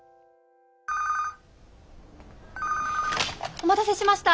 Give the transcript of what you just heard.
☎お待たせしました。